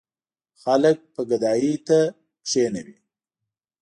خلک به ګدايۍ ته کېنوي.